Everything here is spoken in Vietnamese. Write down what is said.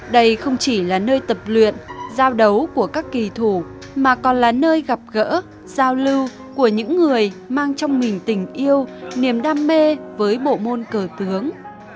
đây không chỉ là nơi tập luyện giao đấu của các kỳ thủ mà còn là nơi gặp gỡ giao lưu của những người mang trong mình tình yêu niềm đam mê với bộ môn cờ tướng